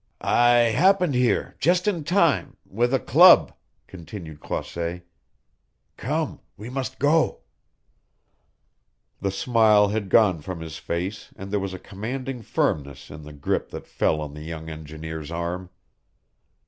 "I happened here just in time with a club," continued Croisset. "Come, we must go." The smile had gone from his face and there was a commanding firmness in the grip that fell on the young engineer's arm.